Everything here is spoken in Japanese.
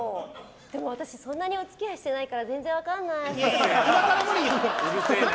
でも私、そんなにお付き合いしていないからうるせえな！